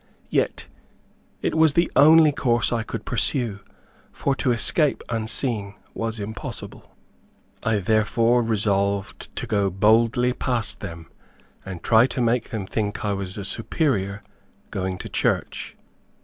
Yet it was the only course I could pursue, for to escape unseen was impossible. I therefore resolved to go boldly past them, and try to make them think I was a Superior going to church.